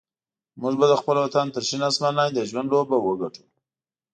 موږ به د خپل وطن تر شین اسمان لاندې د ژوند لوبه وګټو.